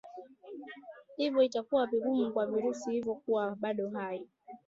Hivyo itakuwa vigumu kwa virusi hivyo kuwa bado hai